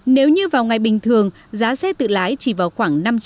nếu như vào ngày bình thường giá xe tự lái chỉ vào khoảng năm trăm linh